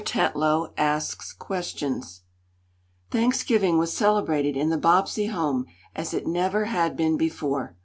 TETLOW ASKS QUESTIONS THANKSGIVING was celebrated in the Bobbsey home as it never had been before.